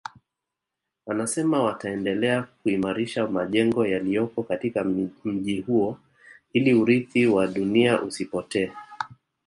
Anasema wataendelea kuimarisha majengo yaliyoko katika mji huo ili urithi wa dunia usipotee